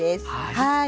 はい。